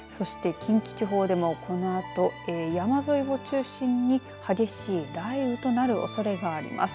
そして近畿地方でも、このあと山沿いを中心に激しい雷雨となるおそれがあります。